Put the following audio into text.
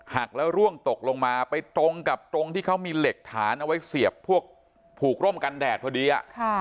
หักแล้วร่วงตกลงมาไปตรงกับตรงที่เขามีเหล็กฐานเอาไว้เสียบพวกผูกร่มกันแดดพอดี